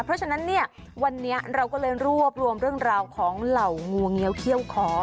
เพราะฉะนั้นเนี่ยวันนี้เราก็เลยรวบรวมเรื่องราวของเหล่างูเงี้ยวเขี้ยวคอ